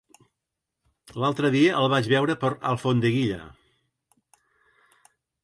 L'altre dia el vaig veure per Alfondeguilla.